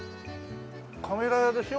カメラ屋でしょ？